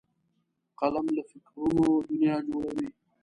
قلم له فکرونو دنیا جوړوي